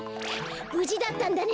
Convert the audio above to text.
ぶじだったんだね！